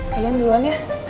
kalian duluan ya